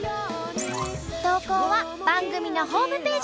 投稿は番組のホームページから。